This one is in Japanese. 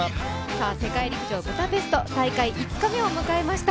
世界陸上ブダペスト、大会５日目を迎えました。